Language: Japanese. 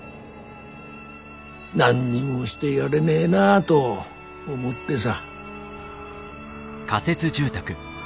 何にもしてやれねえなあど思ってさ。